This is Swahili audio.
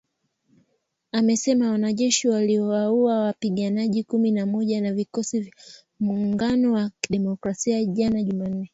Amesema wanajeshi waliwaua wapiganaji kumi na moja wa Vikosi vya Muungano wa Kidemokrasia jana Jumanne.